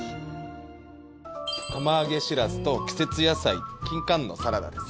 釜揚げしらすと季節野菜金柑のサラダです。